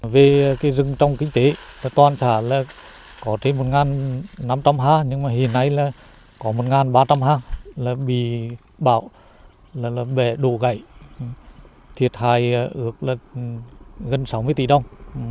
về cái rừng trong kinh tế toàn xã là có trên một năm trăm linh ha nhưng mà hiện nay là có một ba trăm linh hang là bị bão là bể đổ gãy thiệt hại ước là gần sáu mươi tỷ đồng